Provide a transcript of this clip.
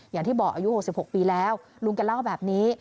อย่างที่บอกอายุ๖๖ปีแล้วลุงแกเล่าแบบนี้